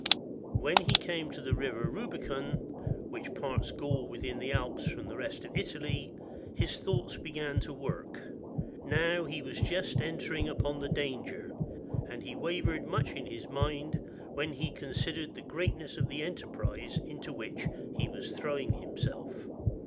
When he came to the river Rubicon, which parts Gaul within the Alps from the rest of Italy, his thoughts began to work, now he was just entering upon the danger, and he wavered much in his mind, when he considered the greatness of the enterprise into which he was throwing himself.